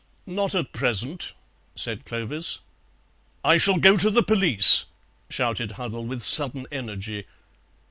"Not at present," said Clovis. "I shall go to the police," shouted Huddle with sudden energy.